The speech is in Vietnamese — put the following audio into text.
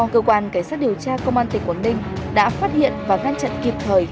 cơ quan cảnh sát điều tra công an tỉnh quảng ninh đã phát hiện và ngăn chặn kịp thời